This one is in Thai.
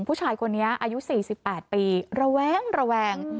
ผู้ชายคนนี้อายุ๔๘ปีระแวงระแวง